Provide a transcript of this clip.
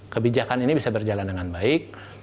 kebijakan ini bisa berjalan dengan baik